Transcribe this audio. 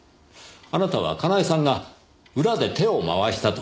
あなたはかなえさんが裏で手を回したと感じた。